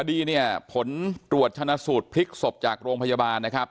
คดีเนี่ยผลตรวจชนะสูตรพลิกศพจากโรงพยาบาลนะครับ